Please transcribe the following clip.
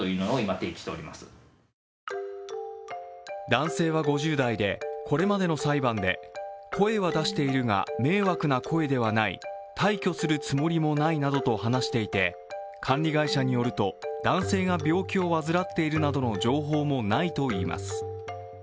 男性は５０代で、これまでの裁判で声は出しているが迷惑な声ではない、退去するつもりもないなどと話していて、管理会社によると、男性が病気を患っているなどの情報もないといいます。